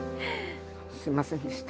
すみませんでした。